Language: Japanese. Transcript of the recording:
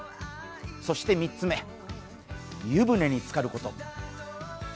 そして３つ目湯船につかること。